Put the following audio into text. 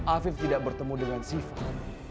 afif tidak bertemu dengan siva